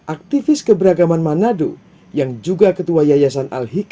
aktivis keberagaman manado yang juga ketua yayasan al hikmah